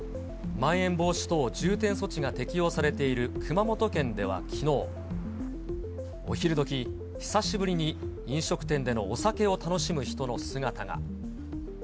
まん延防止等重点措置が適用されている熊本県ではきのう、お昼どき、久しぶりに飲食店でのお酒を楽しむ人の姿が。